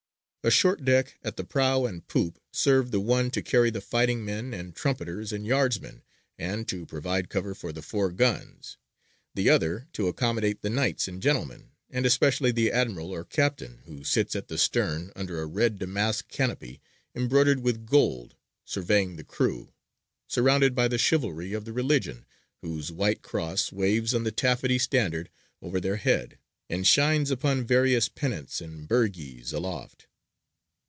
A short deck at the prow and poop serve, the one to carry the fighting men and trumpeters and yardsmen, and to provide cover for the four guns, the other to accommodate the knights and gentlemen, and especially the admiral or captain, who sits at the stern under a red damask canopy embroidered with gold, surveying the crew, surrounded by the chivalry of "the Religion," whose white cross waves on the taffety standard over their head, and shines upon various pennants and burgees aloft.